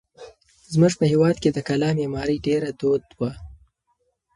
زموږ په هېواد کې د کلا معمارۍ ډېره دود وه.